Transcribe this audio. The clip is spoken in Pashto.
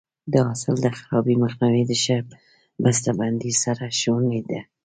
د حاصل د خرابي مخنیوی د ښه بسته بندۍ سره شونی دی.